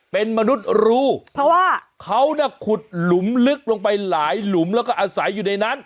เป็นมนุษย์รูเพราะว่าเขาน่ะขุดหลุมลึกลงไปหลายหลุมแล้วก็อาศัยอยู่ในนั้น